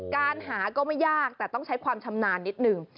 การหาก็ไม่ยากแต่ต้องใช้ความชำนาญนิดนึง